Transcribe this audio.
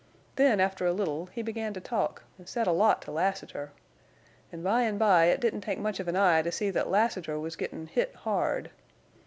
Then, after a little, he began to talk an' said a lot to Lassiter, an' by an' by it didn't take much of an eye to see thet Lassiter was gittin' hit hard.